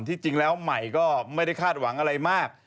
จริงแล้วใหม่ก็ไม่ได้คาดหวังอะไรมาก